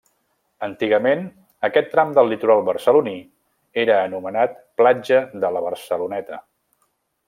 Antigament aquest tram del litoral barceloní era anomenat platja de la Barceloneta.